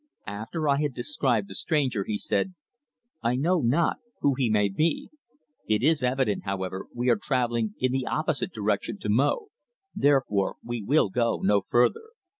After I had described the stranger he said: "I know not who he may be. It is evident, however, we are travelling in the opposite direction to Mo, therefore we will go no further.